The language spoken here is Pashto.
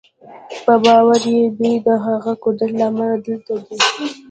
په باور یې دوی د هغه قدرت له امله دلته دي